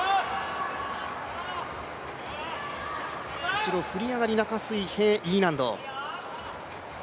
後ろ振り上がり中水平、Ｅ難度。